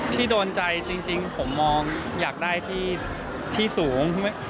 ที่โดนใจจริงผมมองอยากได้ที่สูง